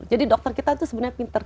jadi dokter kita itu sebenarnya pinter